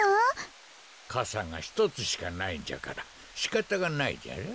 かさがひとつしかないんじゃからしかたがないじゃろう。